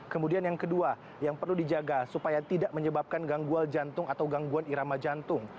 kemudian yang kedua yang perlu dijaga supaya tidak menyebabkan gangguan jantung atau gangguan irama jantung